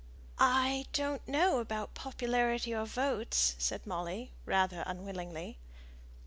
"I don't know about popularity or votes," said Molly, rather unwillingly.